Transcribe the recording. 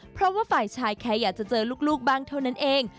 เพราะว่าฝ่ายชายแค่อยากจะเจอลูกบ้างเท่านั้นเอง